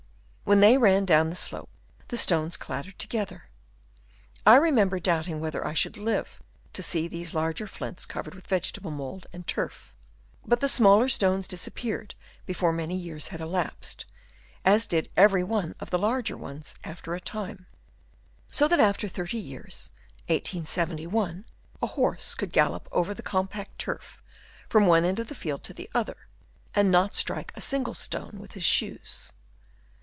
When they ran down the slope the stones clattered together. I remember doubting whether I should live to see these larger flints covered with vegetable mould and turf. But the smaller stones disappeared before many years had elapsed, as did every one of the larger ones after a time ; so that after thirty years (1871) a horse could gallop over the compact turf from one end of the field to the other, and not strike a single stone with hit shoes.